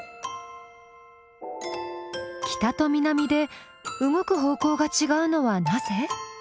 北と南で動く方向がちがうのはなぜ？